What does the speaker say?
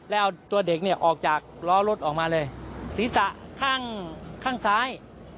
แล้วเอาตัวเด็กเนี่ยออกจากล้อรถออกมาเลยศีรษะข้างข้างซ้าย